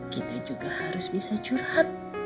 kita juga harus bisa curhat